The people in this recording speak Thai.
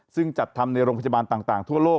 ซึ่งจัดทำในโรงพยาบาลต่างทั่วโลก